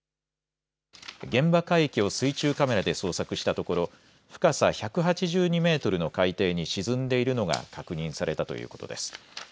現場海域を水中カメラで捜索したところ深さ１８２メートルの海底に沈んでいるのが確認されたということです。